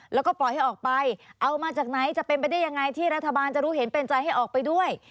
แล้วก็ปล่อยให้ออกไปเอามาจากไหนจะเป็นไปได้ยังไงที่รัฐบาลจะรู้เห็นเป็นใจให้ออกไปด้วย